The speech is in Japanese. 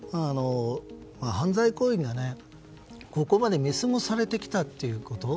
犯罪行為が、ここまで見過ごされてきたっていうこと。